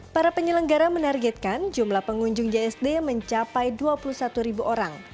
para penyelenggara menargetkan jumlah pengunjung gsd mencapai dua puluh satu ribu orang